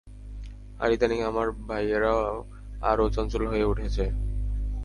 আর ইদানীং আমার ভাইয়েরা আরও চঞ্চল হয়ে উঠছে।